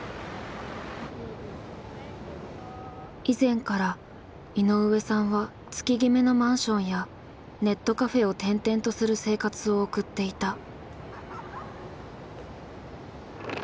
以前から井上さんは月ぎめのマンションやネットカフェを転々とする生活を送っていた。